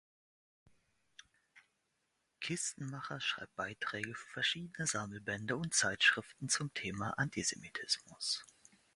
Kistenmacher schreibt Beiträge für verschiedene Sammelbände und Zeitschriften zum Thema Antisemitismus.